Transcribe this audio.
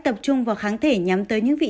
tập trung vào kháng thể nhắm tới những vị